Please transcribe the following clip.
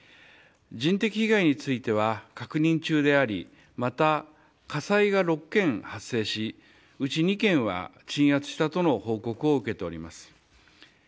人的被害については確認中でありまた火災が６件発生しうち２件は鎮圧したとの報告を受けております。